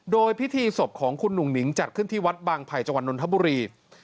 โดยพิธีศพของคุณหนุ่งหนิงจัดขึ้นที่วัดบางไผ่จังหวัดนนทบุรี